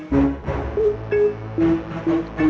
jom ejen yang kot